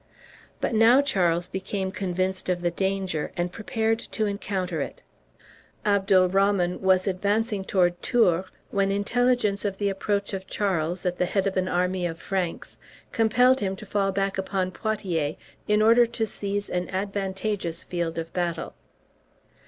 But now Charles became convinced of the danger, and prepared to encounter it. Abdalrahman was advancing toward Tours, when intelligence of the approach of Charles, at the head of an army of Franks, compelled him to fall back upon Poitiers, in order to seize an advantageous field of battle.